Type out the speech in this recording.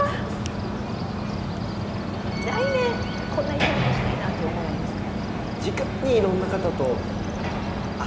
来年、こんな１年にしたいなという思い、ありますか。